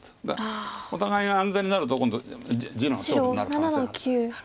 お互いが安全になると今度地の勝負になる可能性がある。